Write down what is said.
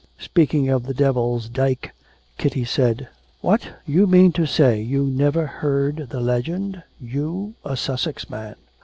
Speaking of the Devil's Dyke, Kitty said 'What! you mean to say you never heard the legend? You, a Sussex man!'